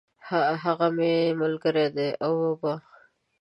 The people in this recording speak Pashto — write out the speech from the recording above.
هغه مي ملګری دی او وي به !